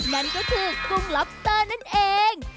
นั่นก็คือกุ้งล็อบสเตอร์นั่นเอง